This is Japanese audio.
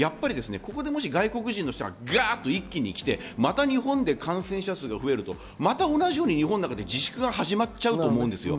もし外国人の方がガっと一気に来て、また日本で感染者数が増えると、また同じように日本の中で自粛が始まっちゃうと思うんです。